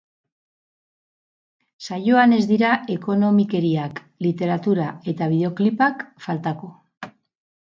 Saioan ez dira ekonomikeriak, literatura eta bideoklipak faltako.